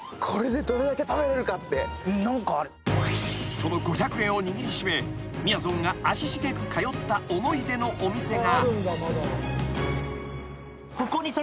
［その五百円を握り締めみやぞんが足しげく通った思い出のお店が］